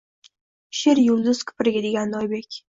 She’r — yulduz kiprigi, degandi Oybek